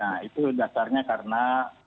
nah itu dasarnya karena